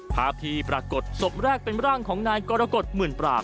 ภาพที่ปรากฏศพแรกเป็นร่างของนายกรกฎหมื่นปราบ